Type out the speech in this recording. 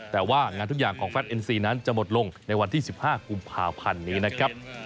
แต่ว่างานทุกอย่างของแฟทเอ็มซีนั้นจะหมดลงในวันที่๑๕กุมภาพันธ์นี้นะครับ